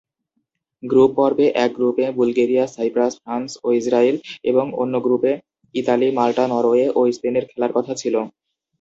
Group পর্বে এক গ্রুপে বুলগেরিয়া, সাইপ্রাস, ফ্রান্স ও ইসরায়েল এবং অন্য গ্রুপে ইতালি, মাল্টা, নরওয়ে ও স্পেনের খেলার কথা ছিল।